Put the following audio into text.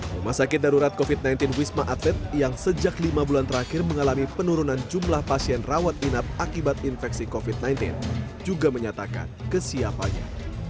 rumah sakit darurat covid sembilan belas wisma atlet yang sejak lima bulan terakhir mengalami penurunan jumlah pasien rawat inap akibat infeksi covid sembilan belas juga menyatakan kesiapannya